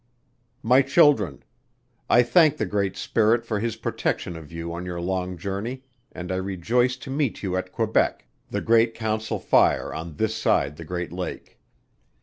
"My Children. I thank the Great Spirit for his protection of you on your long journey, and I rejoice to meet you at Quebec, the Great Council Fire on this side the Great Lake.